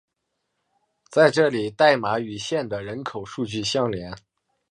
在这里代码与县的人口数据相连。